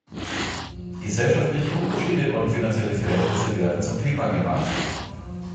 Gesellschaftliche Unterschiede und finanzielle Verhältnisse werden zum Thema gemacht.